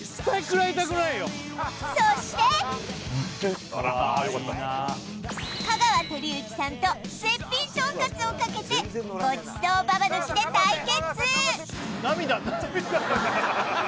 そして香川照之さんと絶品とんかつをかけてごちそうババ抜きで対決